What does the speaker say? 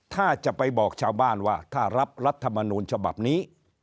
ถ้าจะไปบอกชาวบ้านว่าถ้ารับรัฐมนูลฉบับนี้